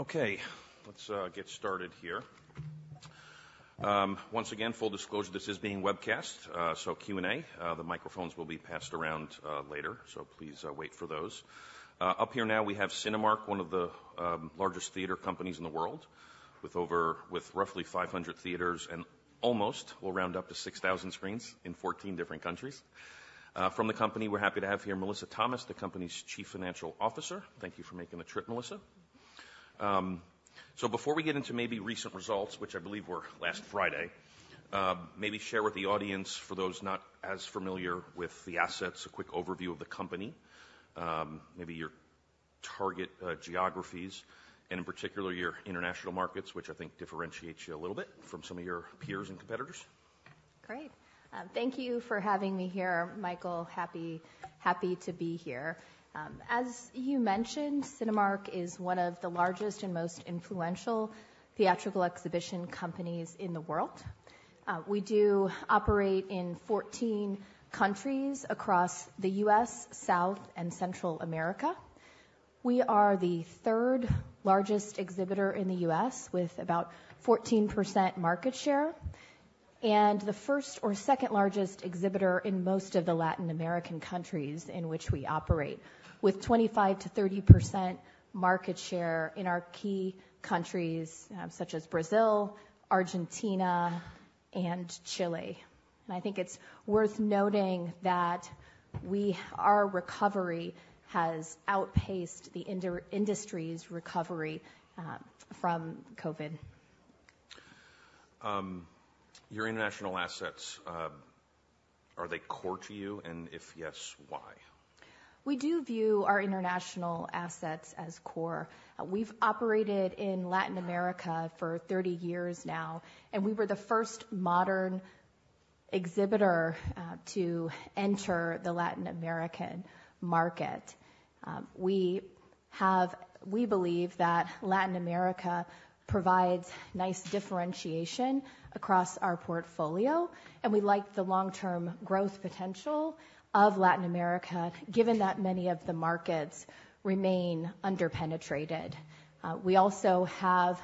Okay, let's get started here. Once again, full disclosure, this is being webcast, so Q&A. The microphones will be passed around later, so please wait for those. Up here now we have Cinemark, one of the largest theater companies in the world, with roughly 500 theaters and almost we'll round up to 6,000 screens in 14 different countries. From the company, we're happy to have here Melissa Thomas, the company's Chief Financial Officer. Thank you for making the trip, Melissa. So before we get into maybe recent results, which I believe were last Friday, maybe share with the audience, for those not as familiar with the assets, a quick overview of the company, maybe your target geographies, and in particular your international markets, which I think differentiate you a little bit from some of your peers and competitors. Great. Thank you for having me here, Michael. Happy, happy to be here. As you mentioned, Cinemark is one of the largest and most influential theatrical exhibition companies in the world. We do operate in 14 countries across the U.S., South, and Central America. We are the third largest exhibitor in the U.S., with about 14% market share, and the first or second largest exhibitor in most of the Latin American countries in which we operate, with 25%-30% market share in our key countries, such as Brazil, Argentina, and Chile. And I think it's worth noting that our recovery has outpaced the industry's recovery, from COVID. Your international assets, are they core to you? And if yes, why? We do view our international assets as core. We've operated in Latin America for 30 years now, and we were the first modern exhibitor to enter the Latin American market. We believe that Latin America provides nice differentiation across our portfolio, and we like the long-term growth potential of Latin America, given that many of the markets remain underpenetrated. We also have,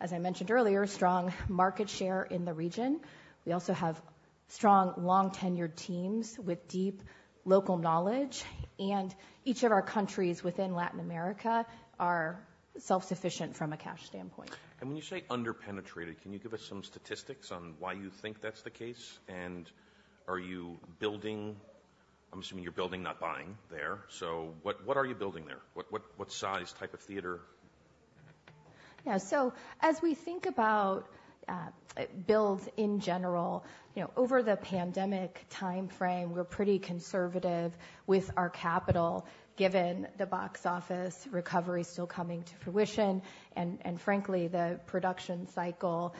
as I mentioned earlier, strong market share in the region. We also have strong, long-tenured teams with deep local knowledge, and each of our countries within Latin America are self-sufficient from a cash standpoint. When you say underpenetrated, can you give us some statistics on why you think that's the case? Are you building? I'm assuming you're building, not buying, there. What, what, what size, type of theater? Yeah. So as we think about builds in general, you know, over the pandemic time frame, we're pretty conservative with our capital, given the box office recovery still coming to fruition, and frankly, the production cycle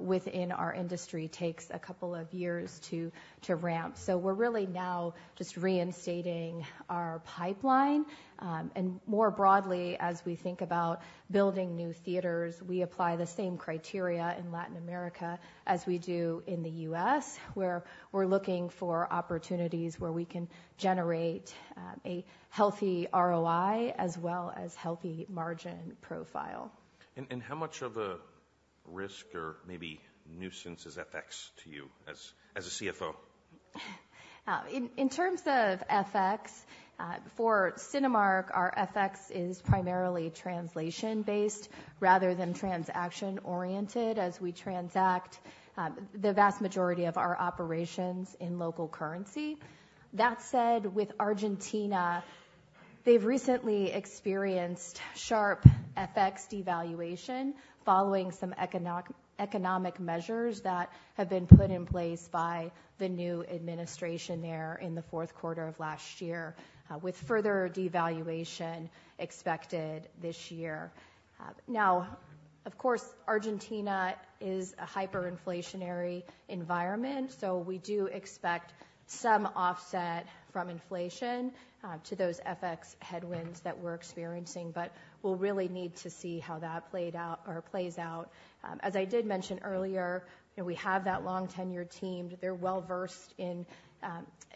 within our industry takes a couple of years to ramp. So we're really now just reinstating our pipeline. And more broadly, as we think about building new theaters, we apply the same criteria in Latin America as we do in the U.S., where we're looking for opportunities where we can generate a healthy ROI as well as healthy margin profile. How much of a risk or maybe nuisance is FX to you as a CFO? In terms of FX, for Cinemark, our FX is primarily translation-based rather than transaction-oriented, as we transact the vast majority of our operations in local currency. That said, with Argentina, they've recently experienced sharp FX devaluation following some economic measures that have been put in place by the new administration there in the fourth quarter of last year, with further devaluation expected this year. Now, of course, Argentina is a hyperinflationary environment, so we do expect some offset from inflation to those FX headwinds that we're experiencing, but we'll really need to see how that played out or plays out. As I did mention earlier, you know, we have that long-tenured team. They're well-versed in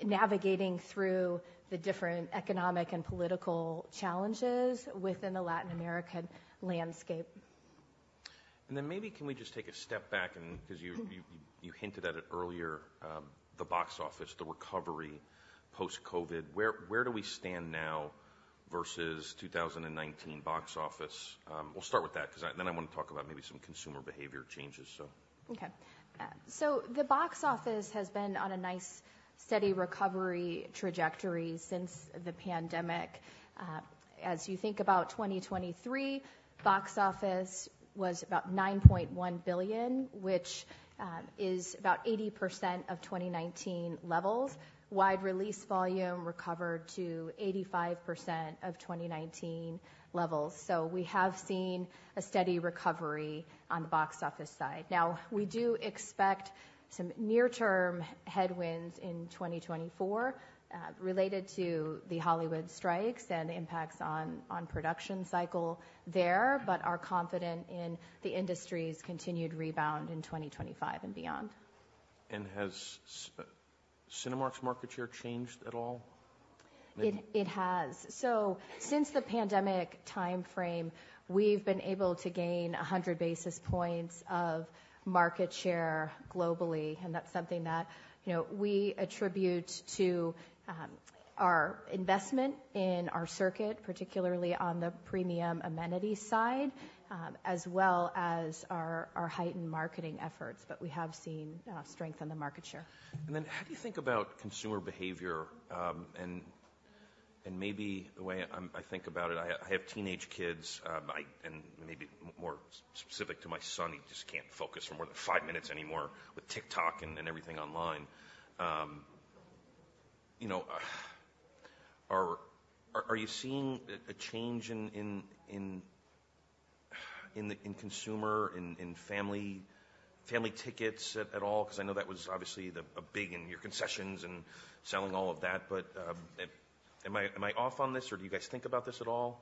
navigating through the different economic and political challenges within the Latin American landscape. And then maybe can we just take a step back and 'cause you hinted at it earlier, the box office, the recovery post-COVID. Where do we stand now versus 2019 box office? We'll start with that 'cause I wanna talk about maybe some consumer behavior changes, so. Okay. So the box office has been on a nice, steady recovery trajectory since the pandemic. As you think about 2023, box office was about $9.1 billion, which is about 80% of 2019 levels. Wide release volume recovered to 85% of 2019 levels. So we have seen a steady recovery on the box office side. Now, we do expect some near-term headwinds in 2024, related to the Hollywood strikes and impacts on production cycle there, but are confident in the industry's continued rebound in 2025 and beyond. Has Cinemark's market share changed at all? It, it has. So since the pandemic time frame, we've been able to gain 100 basis points of market share globally, and that's something that, you know, we attribute to our investment in our circuit, particularly on the premium amenity side, as well as our heightened marketing efforts. But we have seen strength in the market share. Then how do you think about consumer behavior, and maybe the way I think about it? I have teenage kids. And maybe more specific to my son, he just can't focus for more than five minutes anymore with TikTok and everything online. You know, are you seeing a change in the consumer in family tickets at all? 'Cause I know that was obviously a big and your concessions and selling all of that, but am I off on this, or do you guys think about this at all?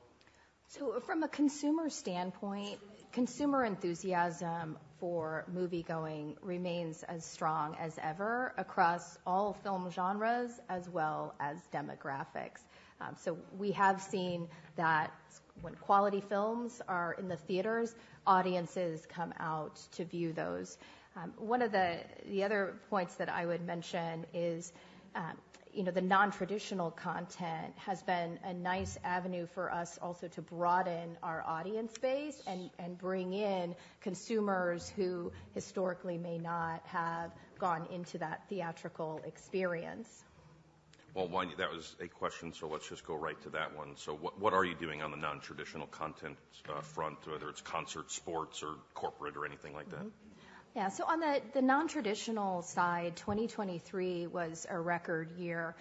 So from a consumer standpoint, consumer enthusiasm for movie-going remains as strong as ever across all film genres as well as demographics. So we have seen that when quality films are in the theaters, audiences come out to view those. One of the other points that I would mention is, you know, the non-traditional content has been a nice avenue for us also to broaden our audience base and bring in consumers who historically may not have gone into that theatrical experience. Well, one that was a question, so let's just go right to that one. So what, what are you doing on the non-traditional content front, whether it's concert, sports, or corporate, or anything like that? Mm-hmm. Yeah. So on the non-traditional side, 2023 was a record year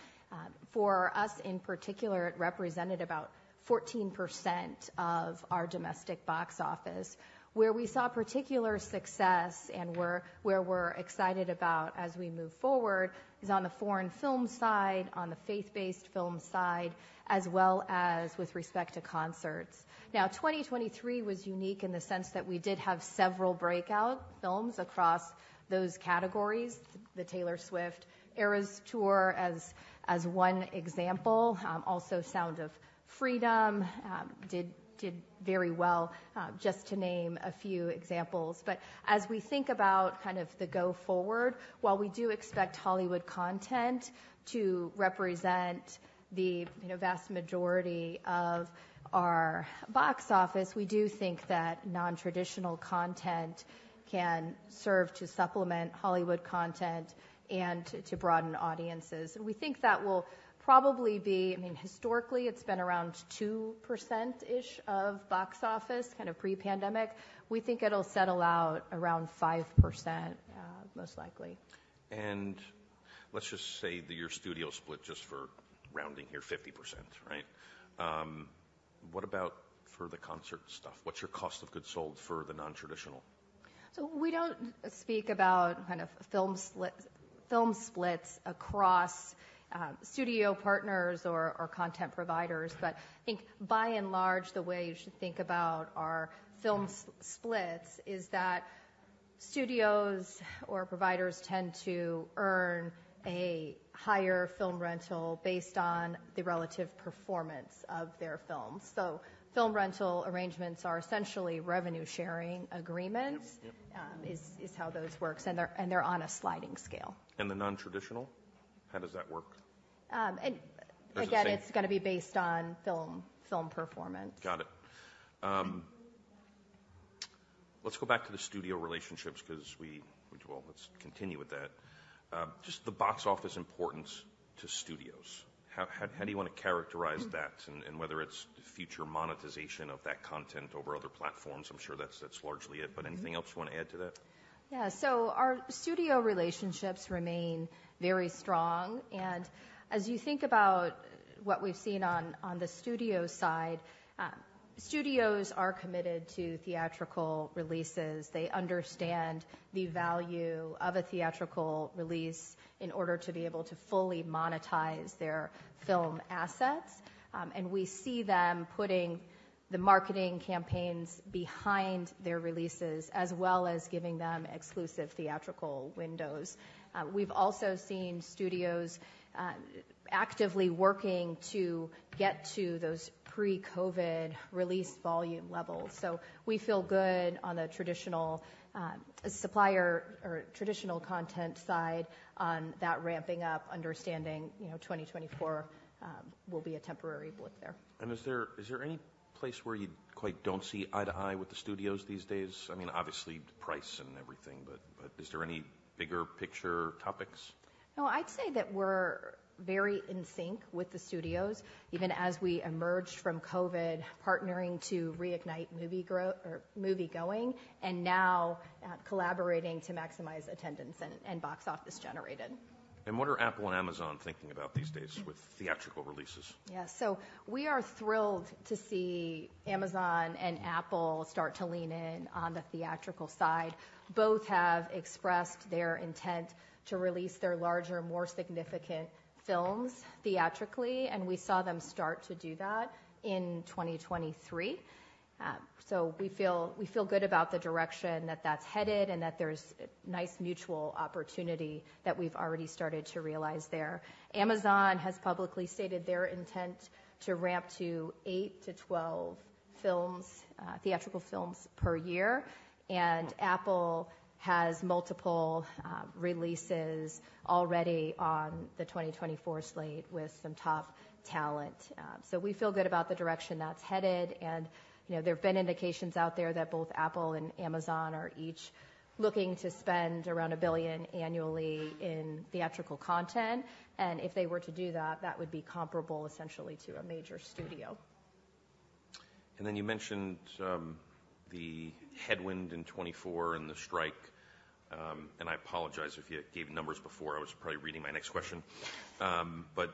for us. In particular, it represented about 14% of our domestic box office. Where we saw particular success and where we're excited about as we move forward is on the foreign film side, on the faith-based film side, as well as with respect to concerts. Now, 2023 was unique in the sense that we did have several breakout films across those categories, the Taylor Swift Eras Tour as one example, also Sound of Freedom did very well, just to name a few examples. But as we think about kind of the go-forward, while we do expect Hollywood content to represent the, you know, vast majority of our box office, we do think that non-traditional content can serve to supplement Hollywood content and to broaden audiences. We think that will probably be, I mean, historically, it's been around 2%-ish of box office, kind of pre-pandemic. We think it'll settle out around 5%, most likely. Let's just say that your studio split, just for rounding here, 50%, right? What about for the concert stuff? What's your cost of goods sold for the non-traditional? So we don't speak about kind of film splits across studio partners or content providers, but I think by and large, the way you should think about our film splits is that studios or providers tend to earn a higher film rental based on the relative performance of their films. So film rental arrangements are essentially revenue-sharing agreements. Yep. Yep. is how those work. And they're on a sliding scale. The non-traditional? How does that work? And again, it's gonna be based on film, film performance. Got it. Let's go back to the studio relationships 'cause, well, let's continue with that. Just the box office importance to studios. How do you wanna characterize that and whether it's future monetization of that content over other platforms? I'm sure that's largely it, but anything else you wanna add to that? Yeah. So our studio relationships remain very strong. And as you think about what we've seen on the studio side, studios are committed to theatrical releases. They understand the value of a theatrical release in order to be able to fully monetize their film assets. And we see them putting the marketing campaigns behind their releases as well as giving them exclusive theatrical windows. We've also seen studios actively working to get to those pre-COVID release volume levels. So we feel good on the traditional supplier or traditional content side on that ramping up, understanding, you know, 2024 will be a temporary blip there. Is there any place where you quite don't see eye to eye with the studios these days? I mean, obviously, price and everything, but is there any bigger picture topics? No, I'd say that we're very in sync with the studios, even as we emerged from COVID partnering to reignite movie-going and now, collaborating to maximize attendance and, and box office generated. What are Apple and Amazon thinking about these days with theatrical releases? Yeah. So we are thrilled to see Amazon and Apple start to lean in on the theatrical side. Both have expressed their intent to release their larger, more significant films theatrically, and we saw them start to do that in 2023. We feel good about the direction that that's headed and that there's nice mutual opportunity that we've already started to realize there. Amazon has publicly stated their intent to ramp to 8-12 films, theatrical films per year, and Apple has multiple releases already on the 2024 slate with some top talent. We feel good about the direction that's headed. And, you know, there've been indications out there that both Apple and Amazon are each looking to spend around $1 billion annually in theatrical content. And if they were to do that, that would be comparable essentially to a major studio. And then you mentioned the headwind in 2024 and the strike. And I apologize if you gave numbers before. I was probably reading my next question. But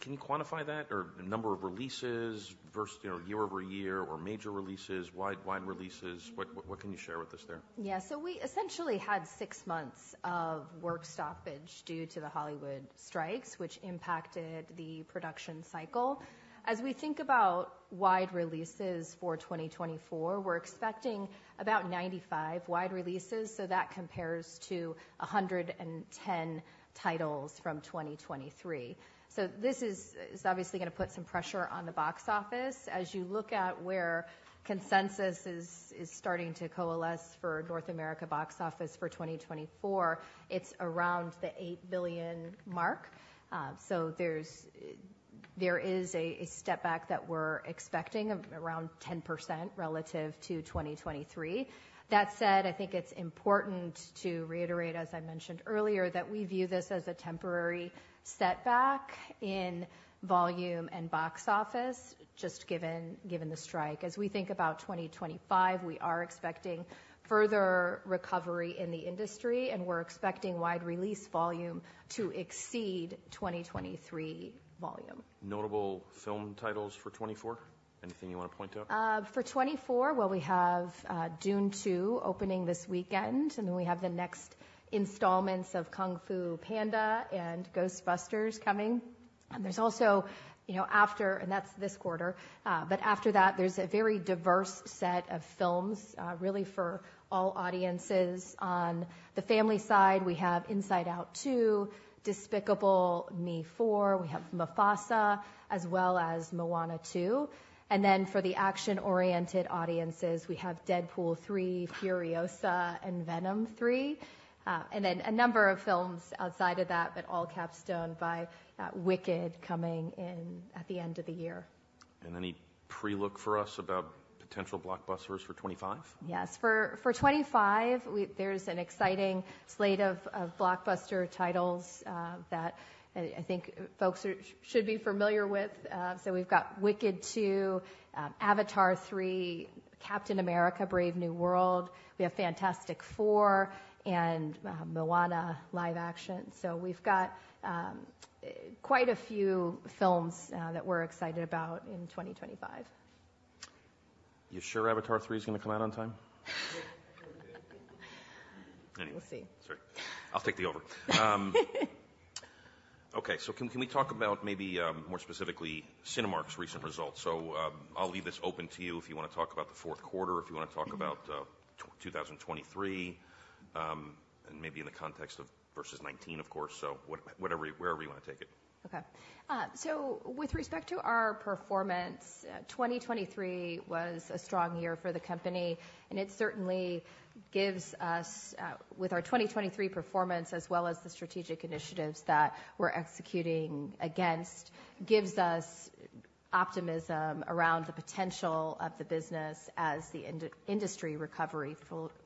can you quantify that or the number of releases versus, you know, year-over-year or major releases, wide, wide releases? What, what, what can you share with us there? Yeah. So we essentially had six months of work stoppage due to the Hollywood strikes, which impacted the production cycle. As we think about wide releases for 2024, we're expecting about 95 wide releases, so that compares to 110 titles from 2023. So this is obviously gonna put some pressure on the box office. As you look at where consensus is starting to coalesce for North America box office for 2024, it's around the $8 billion mark. So there's a step back that we're expecting of around 10% relative to 2023. That said, I think it's important to reiterate, as I mentioned earlier, that we view this as a temporary setback in volume and box office just given the strike. As we think about 2025, we are expecting further recovery in the industry, and we're expecting wide release volume to exceed 2023 volume. Notable film titles for 2024? Anything you wanna point out? For 2024, well, we have Dune 2 opening this weekend, and then we have the next installments of Kung Fu Panda and Ghostbusters coming. And there's also, you know, after, and that's this quarter. But after that, there's a very diverse set of films, really for all audiences. On the family side, we have Inside Out 2, Despicable Me 4, we have Mufasa, as well as Moana 2. And then for the action-oriented audiences, we have Deadpool 3, Furiosa, and Venom 3, and then a number of films outside of that, but all capped by Wicked coming in at the end of the year. Any pre-look for us about potential blockbusters for 2025? Yes. For 2025, we there's an exciting slate of blockbuster titles that I think folks should be familiar with. So we've got Wicked 2, Avatar 3, Captain America: Brave New World, we have Fantastic Four, and Moana live action. So we've got quite a few films that we're excited about in 2025. You sure Avatar 3 is gonna come out on time? Anyway. We'll see. Sorry. I'll take the over. Okay. So can we talk about maybe, more specifically, Cinemark's recent results? So, I'll leave this open to you if you wanna talk about the fourth quarter, if you wanna talk about 2023, and maybe in the context of versus 2019, of course. So, whatever, wherever you wanna take it. Okay. So with respect to our performance, 2023 was a strong year for the company, and it certainly gives us, with our 2023 performance as well as the strategic initiatives that we're executing against, gives us optimism around the potential of the business as the industry recovery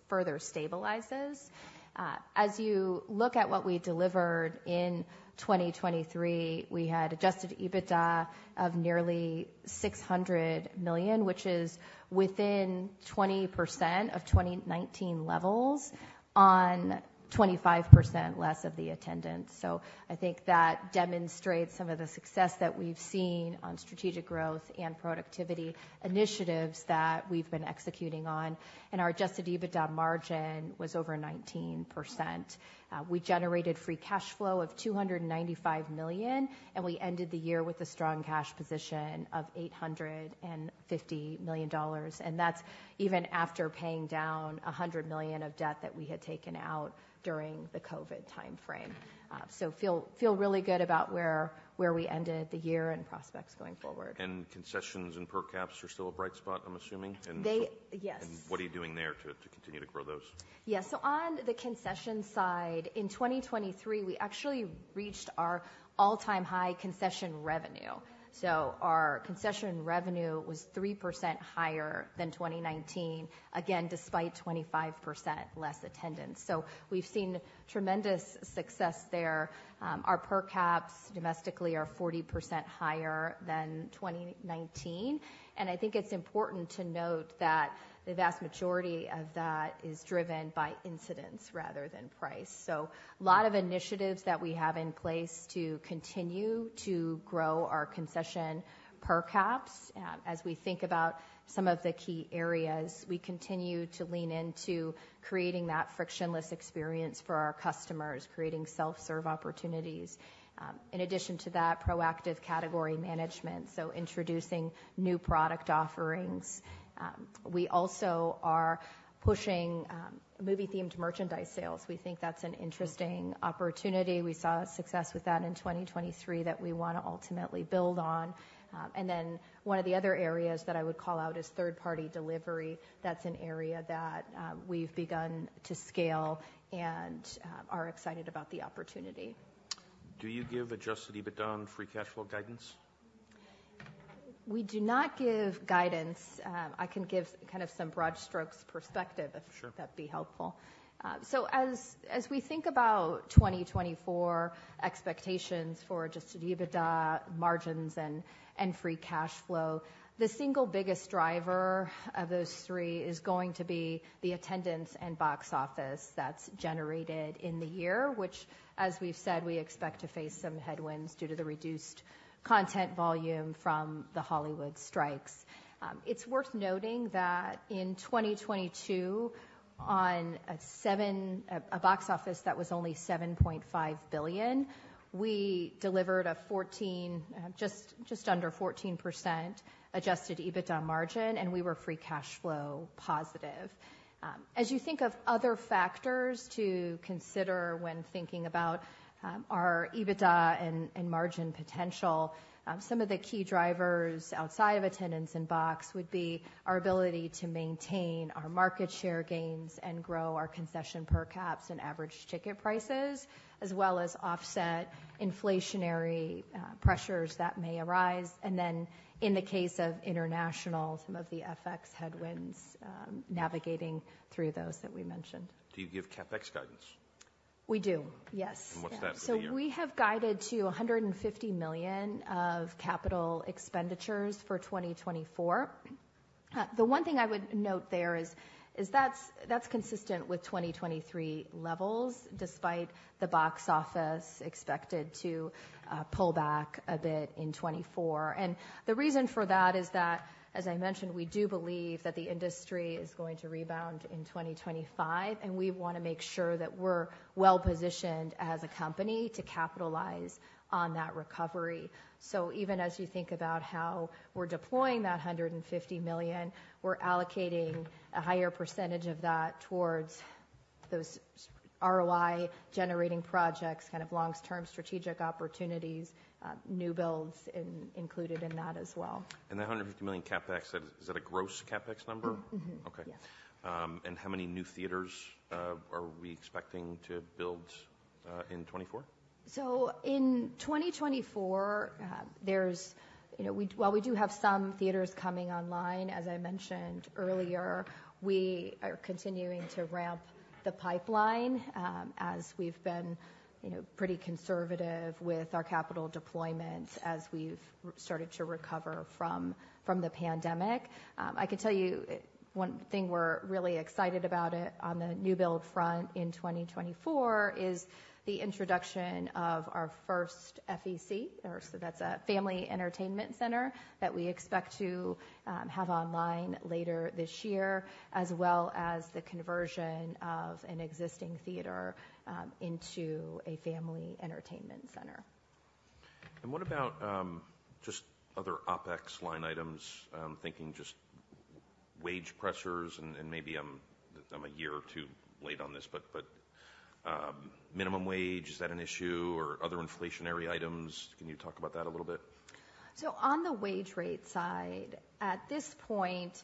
further stabilizes. As you look at what we delivered in 2023, we had Adjusted EBITDA of nearly $600 million, which is within 20% of 2019 levels on 25% less attendance. So I think that demonstrates some of the success that we've seen on strategic growth and productivity initiatives that we've been executing on. And our Adjusted EBITDA margin was over 19%. We generated free cash flow of $295 million, and we ended the year with a strong cash position of $850 million. And that's even after paying down $100 million of debt that we had taken out during the COVID timeframe. So feel really good about where we ended the year and prospects going forward. Concessions and per caps are still a bright spot, I'm assuming? They yes. What are you doing there to continue to grow those? Yeah. So on the concession side, in 2023, we actually reached our all-time high concession revenue. So our concession revenue was 3% higher than 2019, again, despite 25% less attendance. So we've seen tremendous success there. Our per caps domestically are 40% higher than 2019. And I think it's important to note that the vast majority of that is driven by incidence rather than price. So a lot of initiatives that we have in place to continue to grow our concession per caps, as we think about some of the key areas, we continue to lean into creating that frictionless experience for our customers, creating self-serve opportunities. In addition to that, proactive category management, so introducing new product offerings. We also are pushing movie-themed merchandise sales. We think that's an interesting opportunity. We saw success with that in 2023 that we wanna ultimately build on. Then one of the other areas that I would call out is third-party delivery. That's an area that we've begun to scale and are excited about the opportunity. Do you give Adjusted EBITDA on free cash flow guidance? We do not give guidance. I can give kind of some broad strokes perspective. Sure. If that'd be helpful. So as we think about 2024 expectations for Adjusted EBITDA, margins, and free cash flow, the single biggest driver of those three is going to be the attendance and box office that's generated in the year, which, as we've said, we expect to face some headwinds due to the reduced content volume from the Hollywood strikes. It's worth noting that in 2022, on a $7.5 billion box office that was only $7.5 billion, we delivered just under 14% Adjusted EBITDA margin, and we were free cash flow positive. As you think of other factors to consider when thinking about our EBITDA and margin potential, some of the key drivers outside of attendance and box would be our ability to maintain our market share gains and grow our concession per caps and average ticket prices, as well as offset inflationary pressures that may arise. And then in the case of international, some of the FX headwinds, navigating through those that we mentioned. Do you give CapEx guidance? We do. Yes. What's that for the year? Yeah. So we have guided to $150 million of capital expenditures for 2024. The one thing I would note there is, is that's, that's consistent with 2023 levels despite the box office expected to, pull back a bit in 2024. And the reason for that is that, as I mentioned, we do believe that the industry is going to rebound in 2025, and we wanna make sure that we're well-positioned as a company to capitalize on that recovery. So even as you think about how we're deploying that $150 million, we're allocating a higher percentage of that towards those ROI-generating projects, kind of long-term strategic opportunities, new builds included in that as well. That $150 million CapEx, is that a gross CapEx number? Mm-hmm. Okay. Yes. How many new theaters are we expecting to build in 2024? So in 2024, there's, you know, we while we do have some theaters coming online, as I mentioned earlier, we are continuing to ramp the pipeline, as we've been, you know, pretty conservative with our capital deployments as we've started to recover from the pandemic. I can tell you one thing we're really excited about on the new build front in 2024 is the introduction of our first FEC, or so that's a family entertainment center that we expect to have online later this year, as well as the conversion of an existing theater into a family entertainment center. And what about just other OpEx line items, thinking just wage pressures and maybe I'm a year or two late on this, but minimum wage, is that an issue, or other inflationary items? Can you talk about that a little bit? So on the wage rate side, at this point,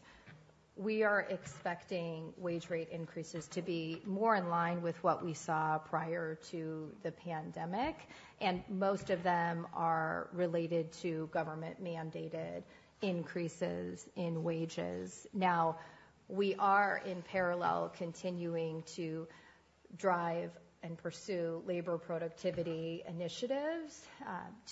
we are expecting wage rate increases to be more in line with what we saw prior to the pandemic, and most of them are related to government-mandated increases in wages. Now, we are in parallel continuing to drive and pursue labor productivity initiatives,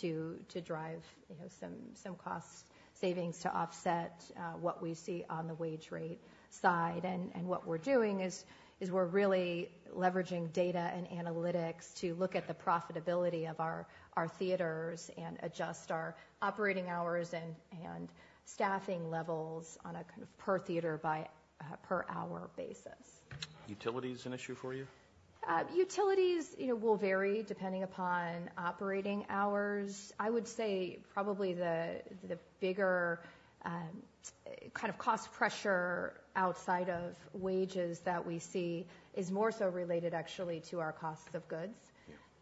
to drive you know some cost savings to offset what we see on the wage rate side. And what we're doing is we're really leveraging data and analytics to look at the profitability of our theaters and adjust our operating hours and staffing levels on a kind of per theater by per hour basis. Utility is an issue for you? Utilities, you know, will vary depending upon operating hours. I would say probably the bigger, kind of cost pressure outside of wages that we see is more so related actually to our costs of goods.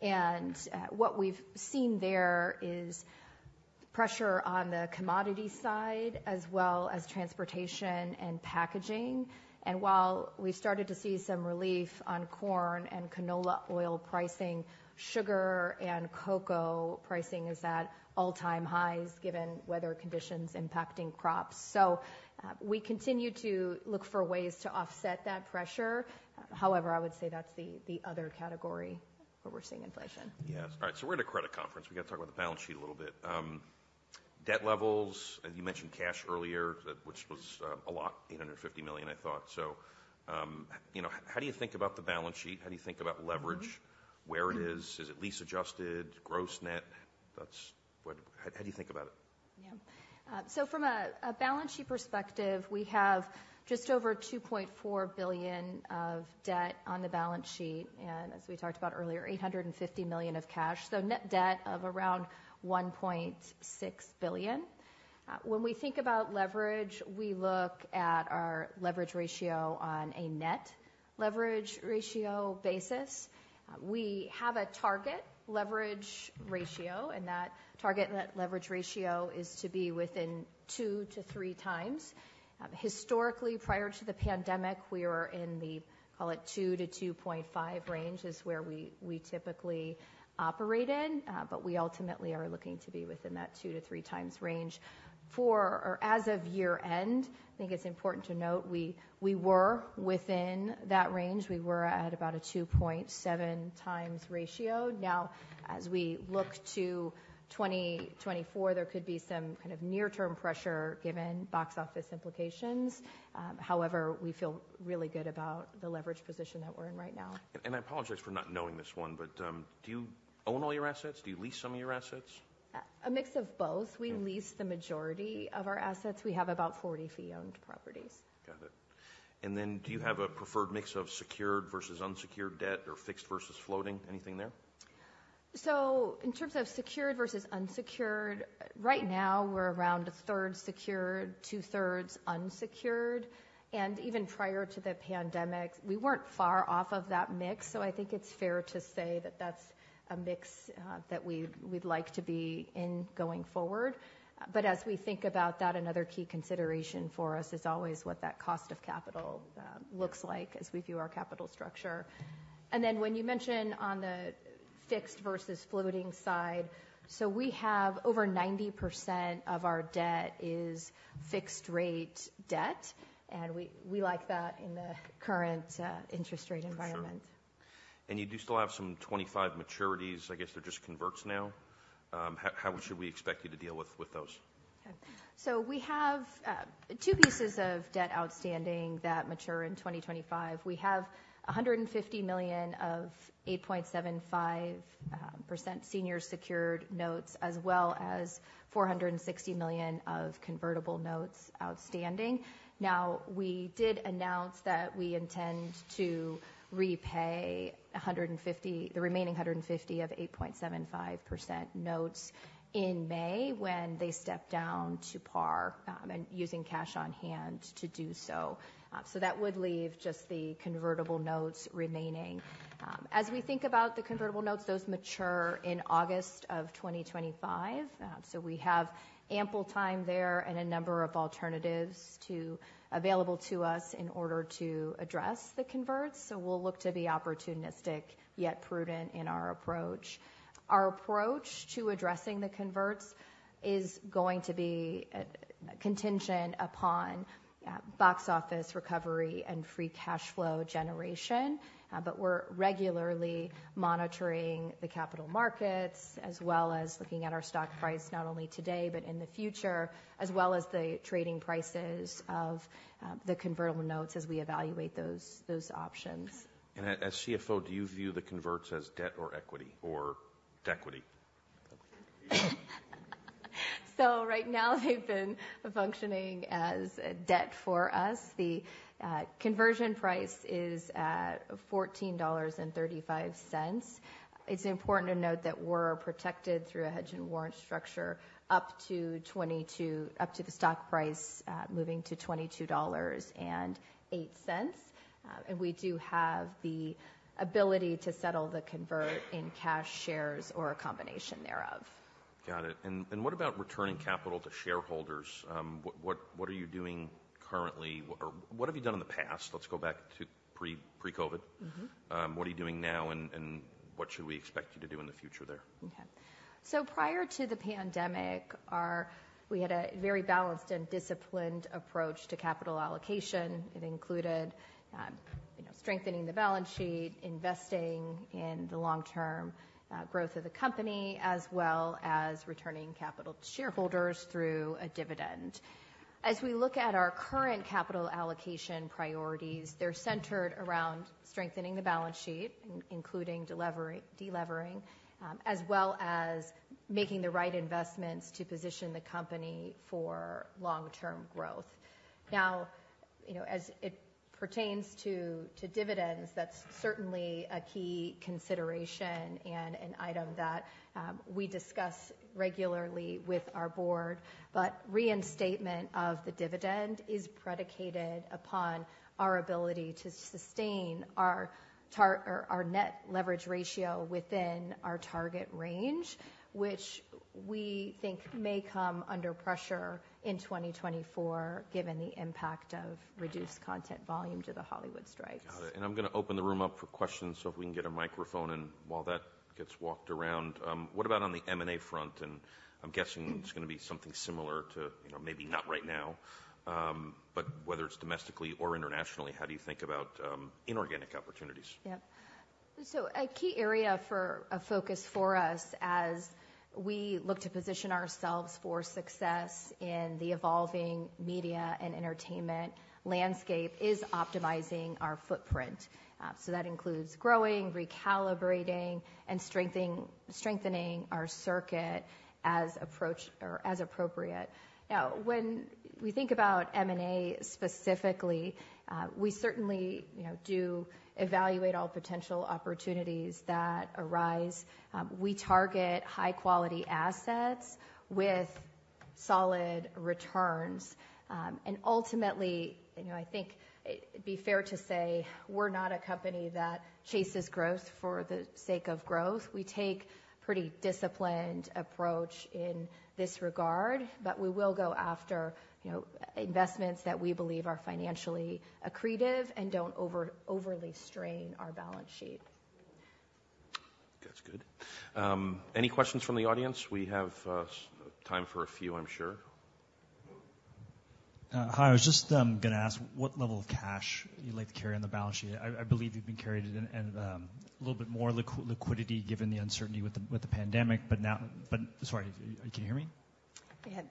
Yeah. And what we've seen there is pressure on the commodity side as well as transportation and packaging. And while we've started to see some relief on corn and canola oil pricing, sugar and cocoa pricing is at all-time highs given weather conditions impacting crops. So, we continue to look for ways to offset that pressure. However, I would say that's the other category where we're seeing inflation. Yes. All right. So we're at a credit conference. We gotta talk about the balance sheet a little bit, debt levels, you mentioned cash earlier, which was a lot, $850 million, I thought. So, you know, how do you think about the balance sheet? How do you think about leverage? Where it is? Is it lease adjusted? Gross net? That's what how do you think about it? Yeah. From a balance sheet perspective, we have just over $2.4 billion of debt on the balance sheet, and as we talked about earlier, $850 million of cash. Net debt of around $1.6 billion. When we think about leverage, we look at our leverage ratio on a net leverage ratio basis. We have a target leverage ratio, and that target leverage ratio is to be within 2-3x. Historically, prior to the pandemic, we were in the, call it, 2-2.5 range is where we typically operate in, but we ultimately are looking to be within that 2-3x range. For or as of year-end, I think it's important to note we were within that range. We were at about a 2.7x ratio. Now, as we look to 2024, there could be some kind of near-term pressure given box office implications. However, we feel really good about the leverage position that we're in right now. I apologize for not knowing this one, but do you own all your assets? Do you lease some of your assets? A mix of both. We lease the majority of our assets. We have about 40 fee-owned properties. Got it. And then do you have a preferred mix of secured versus unsecured debt or fixed versus floating? Anything there? So in terms of secured versus unsecured, right now, we're around a third secured, two-thirds unsecured. And even prior to the pandemic, we weren't far off of that mix, so I think it's fair to say that that's a mix, that we, we'd like to be in going forward. But as we think about that, another key consideration for us is always what that cost of capital looks like as we view our capital structure. And then when you mention on the fixed versus floating side, so we have over 90% of our debt is fixed-rate debt, and we, we like that in the current interest rate environment. Sure. Sure. And you do still have some 25 maturities. I guess they're just converts now. How should we expect you to deal with those? Okay. So we have two pieces of debt outstanding that mature in 2025. We have $150 million of 8.75% senior secured notes as well as $460 million of convertible notes outstanding. Now, we did announce that we intend to repay $150 the remaining $150 of 8.75% notes in May when they step down to par, and using cash on hand to do so. So that would leave just the convertible notes remaining. As we think about the convertible notes, those mature in August of 2025. So we have ample time there and a number of alternatives available to us in order to address the converts. So we'll look to be opportunistic yet prudent in our approach. Our approach to addressing the converts is going to be, contingent upon, box office recovery and free cash flow generation, but we're regularly monitoring the capital markets as well as looking at our stock price not only today but in the future, as well as the trading prices of, the convertible notes as we evaluate those, those options. As CFO, do you view the converts as debt or equity or equity? So right now, they've been functioning as debt for us. The conversion price is $14.35. It's important to note that we're protected through a hedge and warrant structure up to $22 up to the stock price moving to $22.08, and we do have the ability to settle the convert in cash shares or a combination thereof. Got it. And what about returning capital to shareholders? What are you doing currently? Or what have you done in the past? Let's go back to pre-COVID. Mm-hmm. What are you doing now, and, and what should we expect you to do in the future there? Okay. So prior to the pandemic, we had a very balanced and disciplined approach to capital allocation. It included, you know, strengthening the balance sheet, investing in the long-term growth of the company as well as returning capital to shareholders through a dividend. As we look at our current capital allocation priorities, they're centered around strengthening the balance sheet, including delevering, as well as making the right investments to position the company for long-term growth. Now, you know, as it pertains to dividends, that's certainly a key consideration and an item that we discuss regularly with our board. But reinstatement of the dividend is predicated upon our ability to sustain our target or our net leverage ratio within our target range, which we think may come under pressure in 2024 given the impact of reduced content volume to the Hollywood strikes. Got it. I'm gonna open the room up for questions so if we can get a microphone, and while that gets walked around, what about on the M&A front? And I'm guessing it's gonna be something similar to, you know, maybe not right now, but whether it's domestically or internationally, how do you think about inorganic opportunities? Yep. So a key area for a focus for us as we look to position ourselves for success in the evolving media and entertainment landscape is optimizing our footprint. So that includes growing, recalibrating, and strengthening our circuit as appropriate. Now, when we think about M&A specifically, we certainly, you know, do evaluate all potential opportunities that arise. We target high-quality assets with solid returns. And ultimately, you know, I think it'd be fair to say we're not a company that chases growth for the sake of growth. We take a pretty disciplined approach in this regard, but we will go after, you know, investments that we believe are financially accretive and don't overly strain our balance sheet. That's good. Any questions from the audience? We have time for a few, I'm sure. Hi. I was just gonna ask what level of cash you'd like to carry on the balance sheet. I believe you've been carrying a little bit more liquidity given the uncertainty with the pandemic, but now sorry. Can you hear me? Go ahead.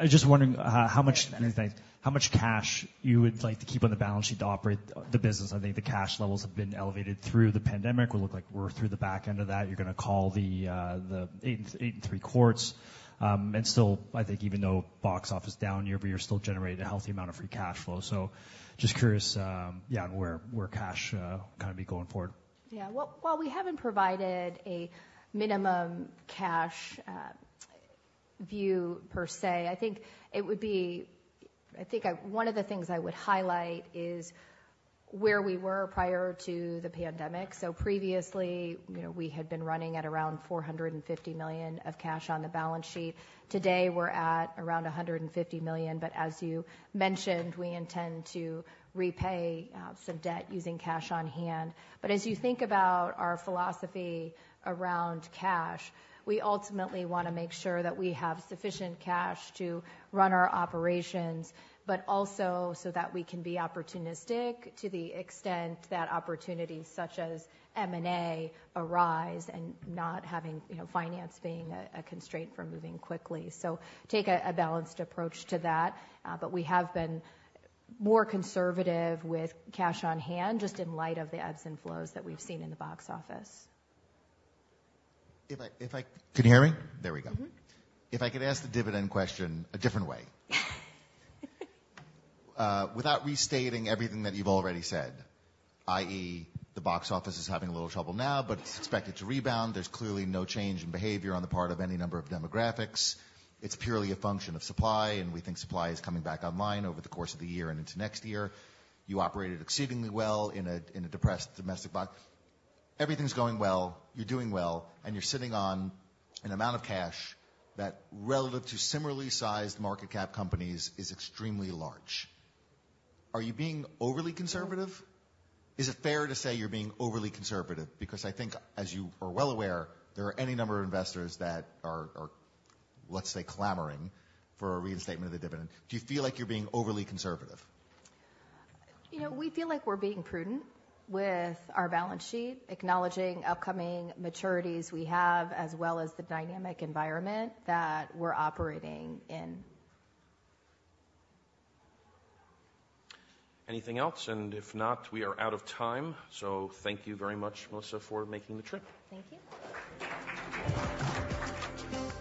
I'm just wondering how much. Thank you. How much cash you would like to keep on the balance sheet to operate the business. I think the cash levels have been elevated through the pandemic. We look like we're through the back end of that. You're gonna call the, and still, I think even though box office down year-over-year, still generate a healthy amount of free cash flow. So just curious, yeah, on where cash kinda be going forward. Yeah. While we haven't provided a minimum cash view per se, I think one of the things I would highlight is where we were prior to the pandemic. So previously, you know, we had been running at around $450 million of cash on the balance sheet. Today, we're at around $150 million, but as you mentioned, we intend to repay some debt using cash on hand. But as you think about our philosophy around cash, we ultimately wanna make sure that we have sufficient cash to run our operations but also so that we can be opportunistic to the extent that opportunities such as M&A arise and not having, you know, finance being a constraint for moving quickly. So take a balanced approach to that, but we have been more conservative with cash on hand just in light of the ebbs and flows that we've seen in the box office. Can you hear me? There we go. Mm-hmm. If I could ask the dividend question a different way, without restating everything that you've already said, i.e., the box office is having a little trouble now, but it's expected to rebound. There's clearly no change in behavior on the part of any number of demographics. It's purely a function of supply, and we think supply is coming back online over the course of the year and into next year. You operated exceedingly well in a depressed domestic box. Everything's going well. You're doing well, and you're sitting on an amount of cash that, relative to similarly sized market cap companies, is extremely large. Are you being overly conservative? Is it fair to say you're being overly conservative? Because I think, as you are well aware, there are any number of investors that are, let's say, clamoring for a reinstatement of the dividend. Do you feel like you're being overly conservative? You know, we feel like we're being prudent with our balance sheet, acknowledging upcoming maturities we have as well as the dynamic environment that we're operating in. Anything else? If not, we are out of time. Thank you very much, Melissa, for making the trip. Thank you.